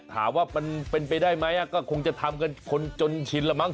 ถามว่ามันเป็นไปได้ไหมก็คงจะทำกันคนจนชินแล้วมั้